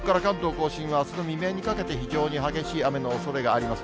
甲信は、あすの未明にかけて、非常に激しい雨のおそれがあります。